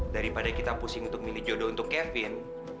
daripada kita pusing untuk milih jodoh untuk kevin